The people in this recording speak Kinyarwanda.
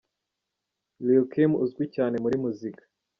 Lil Kim uzwi cyane muri muzika.